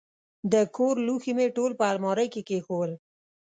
د کور لوښي مې ټول په المارۍ کې کښېنول.